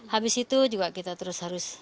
habis itu juga kita terus harus